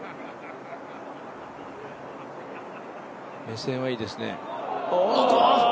目線はいいですね。